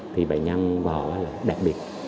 thì bệnh nhân vò là đặc biệt